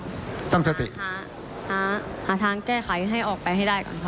หาทางแก้ไขให้ออกไปให้ได้